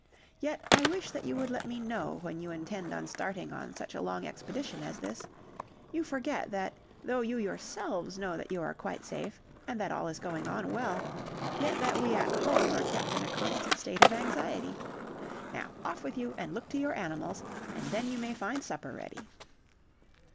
Yet I wish that you would let me know when you intend starting on such a long expedition as this; you forget that though you yourselves know that you are quite safe, and that all is going on well, yet that we at home are kept in a constant state of anxiety. Now, off with you, and look to your animals, and then you may find supper ready."